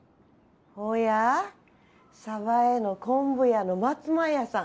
ほや鯖江の昆布屋の松前屋さん